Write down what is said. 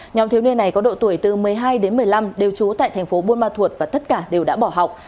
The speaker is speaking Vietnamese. nhóm thiếu niên này có độ tuổi từ một mươi hai đến một mươi năm đều trú tại thành phố buôn ma thuột và tất cả đều đã bỏ học